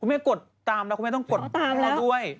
คุณแม่กดตามแล้วคุณแม่ต้องกดเขาด้วย